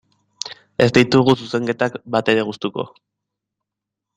Ez ditugu zezenketak batere gustuko.